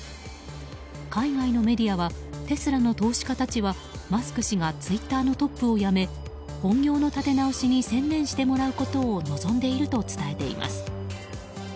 海外のメディアはテスラの投資家たちはマスク氏がツイッターのトップを辞め本業の立て直しに専念してもらうことを望んでいると伝えています。